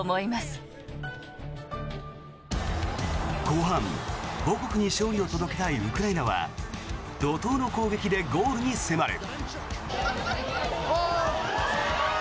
後半、母国に勝利を届けたいウクライナは怒とうの攻撃でゴールに迫る。